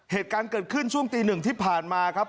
เหตุการณ์เกิดขึ้นช่วงตีหนึ่งที่ผ่านมาครับ